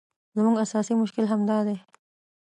زموږ اساسي مشکل همدا دی.